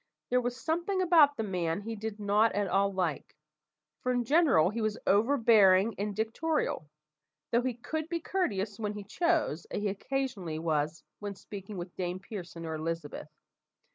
There was something about the man he did not at all like, for in general he was overbearing and dictatorial, though he could be courteous when he chose, as he occasionally was when speaking to Dame Pearson or Elizabeth.